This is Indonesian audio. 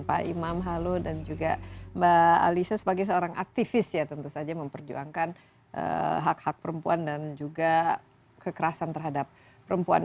pak imam halo dan juga mbak alisa sebagai seorang aktivis ya tentu saja memperjuangkan hak hak perempuan dan juga kekerasan terhadap perempuan